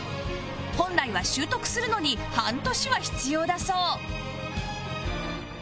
本来は習得するのに半年は必要だそう